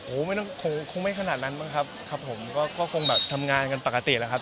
โอ้โหไม่ต้องคงไม่ขนาดนั้นบ้างครับครับผมก็คงแบบทำงานกันปกติแล้วครับ